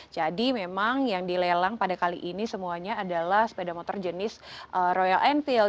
jadi memang yang dilelang pada kali ini semuanya adalah sepeda motor jenis royal enfield